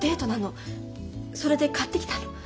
それで買ってきたの。